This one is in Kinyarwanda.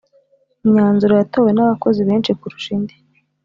Imyanzuro yatowe n’ abakozi benshi kurusha indi